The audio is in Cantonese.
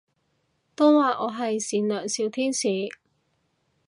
都話我係善良小天使